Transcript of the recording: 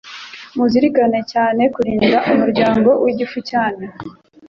muzirikane cyane ku kurinda umuryango w'igifu cyanyu